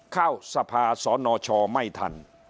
เข้าสภาษณ์สอนอชอไม่ทัน